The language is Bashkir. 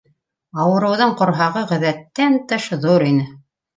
Ауырыуҙың ҡорһағы ғәҙәттән тыш ҙур ине